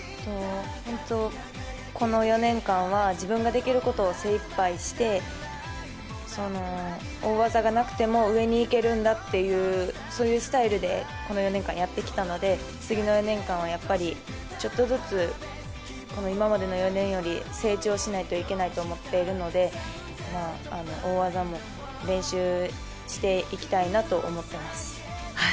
この４年間は自分ができることを精いっぱいして、大技がなくても上にいけるんだというスタイルでこの４年間やってきたので次の４年間はちょっとずつ今までの４年より成長しないといけないと思っているので大技も練習していきたいなと思っています。